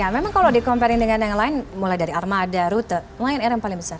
memang kalau di comparing dengan yang lain mulai dari armada rute lion air yang paling besar